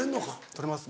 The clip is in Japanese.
撮れます